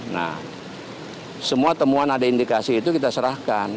nah semua temuan ada indikasi itu kita serahkan